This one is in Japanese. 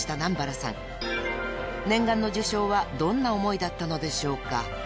［念願の受賞はどんな思いだったのでしょうか］